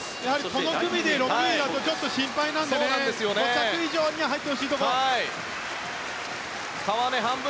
この組で６位だとちょっと心配なので５着以上には入ってもらいたいですね。